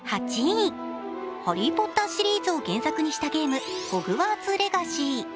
「ハリー・ポッター」シリーズを原作にしたゲーム、「ホグワーツ・レガシー」。